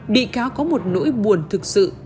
bị cáo có một nỗi buồn thực sự